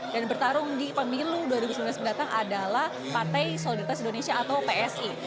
dan bertarung di pemilu dua ribu sembilan belas mendatang adalah partai solidaritas indonesia atau psi